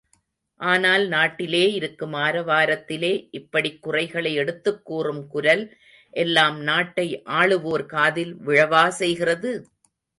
ஆனால் நாட்டிலே இருக்கும் ஆரவாரத்திலே, இப்படிக் குறைகளை எடுத்துக்கூறும் குரல் எல்லாம் நாட்டை ஆளுவோர் காதில் விழவா செய்கிறது?